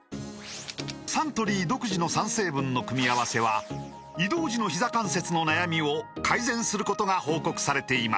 サントリー独自の３成分の組み合わせは移動時のひざ関節の悩みを改善することが報告されています